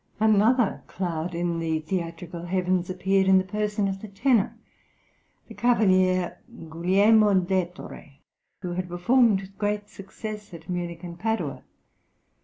Another cloud in the theatrical heavens appeared in the person of the tenor, the Cavalier Guglielmo d' Ettore, who had performed with great success at Munich and Padua.